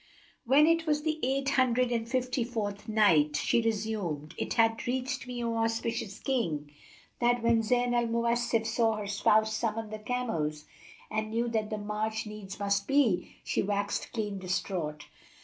When it was the Eight Hundred and Fifty fourth Night, She resumed, It hath reached me, O auspicious King, that when Zayn al Mawasif saw her spouse summon the camels and knew that the march needs must be, she waxt clean distraught.